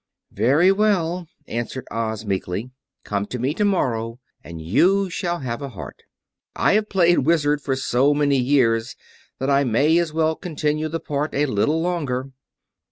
"Very well," answered Oz meekly. "Come to me tomorrow and you shall have a heart. I have played Wizard for so many years that I may as well continue the part a little longer."